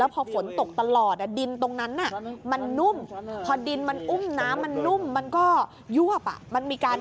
พอดินมันอุ้มน้ำมันนุ่มมันก็ยวบ